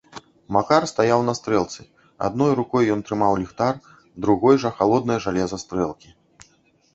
Макар стаяў на стрэлцы, адной рукой ён трымаў ліхтар, другой жа халоднае жалеза стрэлкі.